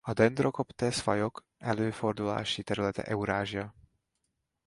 A Dendrocoptes-fajok előfordulási területe Eurázsia.